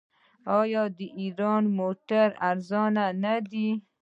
آیا د ایران موټرې ارزانه نه دي؟